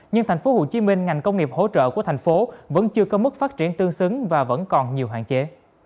nhưng tp hcm ngành công nghiệp hỗ trợ của thành phố vẫn chưa có mức phát triển tương xứng và vẫn còn nhiều hạn chế